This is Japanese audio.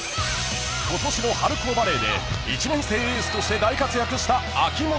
［今年の春高バレーで１年生エースとして大活躍した秋本選手］